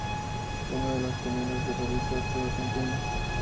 Una de las pioneras del radioteatro argentino.